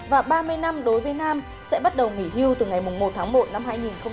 và ba mươi năm đối với nam sẽ bắt đầu nghỉ hiêu từ ngày một tháng một năm hai nghìn một mươi tám